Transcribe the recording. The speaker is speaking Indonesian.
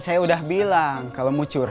hal itu disungguhkan untuk